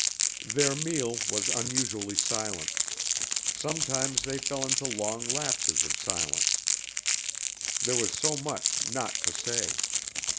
Their meal was unusually silent. Sometimes they fell into long lapses of silence; there was so much not to say.